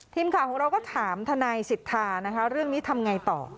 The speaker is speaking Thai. ทีมข่าวของเราก็ถามทนายสิทธานะคะเรื่องนี้ทำไงต่อ